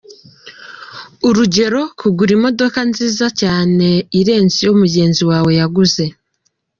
Urugero kugura imodoka nziza cyane irenze iyo mugenzi wawe yaguze.